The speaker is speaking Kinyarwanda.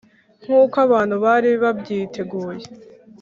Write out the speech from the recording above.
nkuko abantu bari babyiteguye,